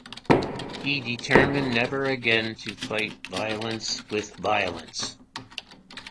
He determined never again to fight violence with violence.